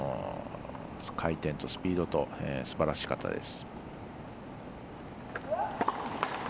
回転とスピードとすばらしかったです。